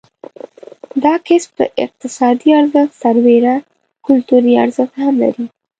دا کسب پر اقتصادي ارزښت سربېره کلتوري ارزښت هم لري.